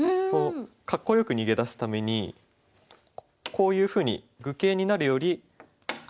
こうかっこよく逃げ出すためにこういうふうに愚形になるより。